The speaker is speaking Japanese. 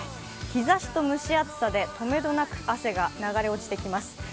日ざしと蒸し暑さで止めどなく汗が流れ落ちてきます。